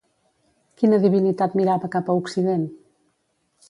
Quina divinitat mirava cap a occident?